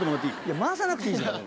回さなくていいじゃない。